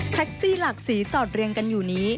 หลักสีจอดเรียงกันอยู่นี้